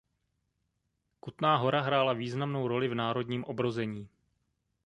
Kutná Hora hrála významnou roli v národním obrození.